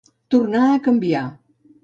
Tornar a canviar.